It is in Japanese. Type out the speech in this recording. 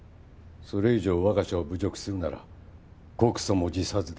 それ以上我が社を侮辱するなら告訴も辞さずだ。